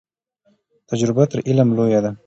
تجربه تر علم لویه ده.